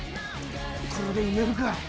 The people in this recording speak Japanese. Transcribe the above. これで埋めるか。